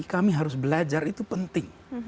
kami harus belajar itu penting